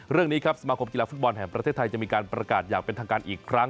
เรื่องนี้ครับสมาคมกีฬาฟุตบอลแห่งประเทศไทยจะมีการประกาศอย่างเป็นทางการอีกครั้ง